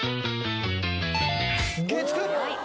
月９！